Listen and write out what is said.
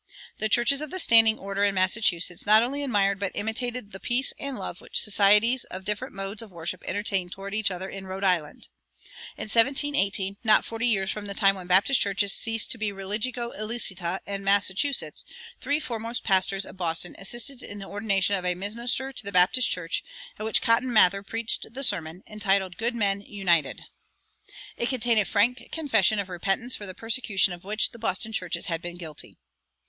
The churches of "the standing order" in Massachusetts not only admired but imitated "the peace and love which societies of different modes of worship entertained toward each other in Rhode Island." In 1718, not forty years from the time when Baptist churches ceased to be religio illicita in Massachusetts, three foremost pastors of Boston assisted in the ordination of a minister to the Baptist church, at which Cotton Mather preached the sermon, entitled "Good Men United." It contained a frank confession of repentance for the persecutions of which the Boston churches had been guilty.